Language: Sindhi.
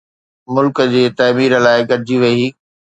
ملڪ جي تعمير لاءِ گڏجي ويھي.